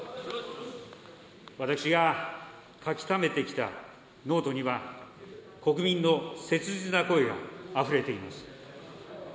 私が書きためてきたノートには、国民の切実な声があふれています。